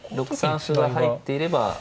６三歩が入っていれば。